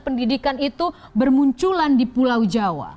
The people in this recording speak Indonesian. pendidikan itu bermunculan di pulau jawa